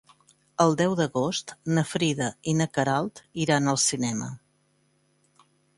El deu d'agost na Frida i na Queralt iran al cinema.